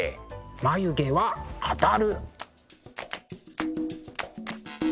「眉毛は語る」。